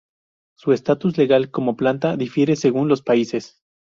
Su estatus legal como planta difiere según los países.